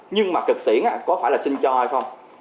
nhưng mà thực tiễn có phải là xin cho hay không